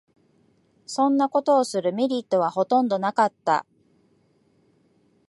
そんなことするメリットはほとんどなかった